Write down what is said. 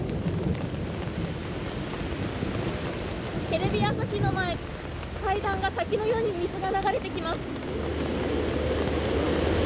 テレビ朝日の前、階段が滝のように水が流れてきます。